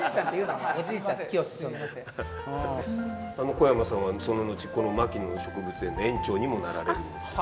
小山さんはその後この牧野植物園の園長にもなられるんですよ。